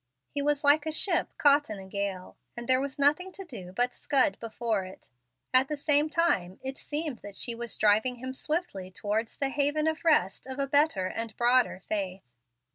He was like a ship caught in a gale, and there was nothing to do but scud before it. At the same time, it seemed that she was driving him swiftly towards the haven and rest of a better and broader faith.